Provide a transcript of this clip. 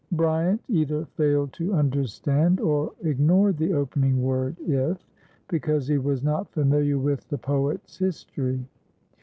Bryant either failed to understand or ignored the opening word, "If," because he was not familiar with the poet's history.